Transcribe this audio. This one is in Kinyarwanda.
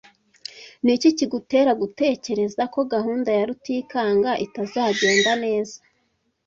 Niki kigutera gutekereza ko gahunda ya Rutikanga itazagenda neza?